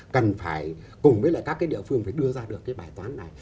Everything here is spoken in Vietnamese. cần phải cùng với lại các cái địa phương phải đưa ra được cái bài toán này